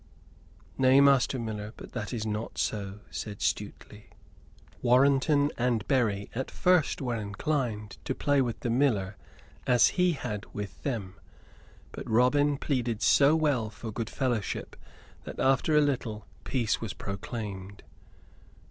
"Nay, Master Miller, but that is not so," said Stuteley. Warrenton and Berry at first were inclined to play with the miller as he had with them; but Robin pleaded so well for good fellowship that, after a little, peace was proclaimed.